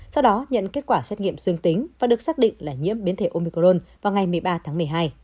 sau đó nhận kết quả xét nghiệm dương tính và được xác định là nhiễm biến thể omicron vào ngày một mươi ba tháng một mươi hai